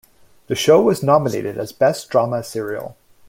The show was nominated as Best Drama Serial.